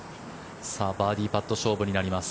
バーディーパット勝負になります。